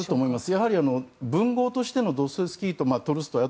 やはり、文豪としてのドストエフスキーとトルストイ